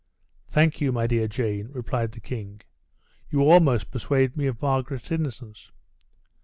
"Thank you, my dear Jane," replied the king; "you almost persuade me of Margaret's innocence."